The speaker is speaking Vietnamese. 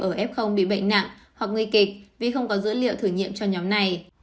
ở f bị bệnh nặng hoặc nguy kịch vì không có dữ liệu thử nghiệm cho nhóm này